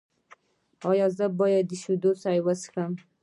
ایا زه باید شیدې چای وڅښم؟